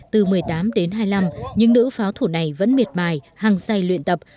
từ một mươi tám đến hai mươi năm những nữ pháo thủ này vẫn miệt mài hăng say luyện tập